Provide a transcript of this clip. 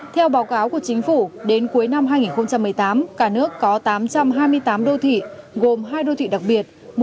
theo báo cáo của chính phủ đến cuối năm hai nghìn một mươi tám cả nước có tám trăm hai mươi tám đô thị gồm hai đô thị đặc biệt